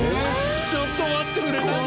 ちょっと待ってくれ。